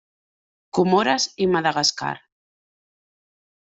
Comores i Madagascar.